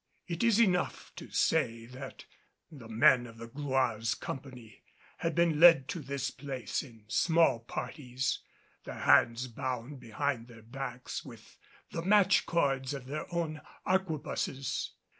It is enough to say that the men of the Gloire's company had been led to this place in small parties, their hands bound behind their backs with the match cords of their own arquebuses.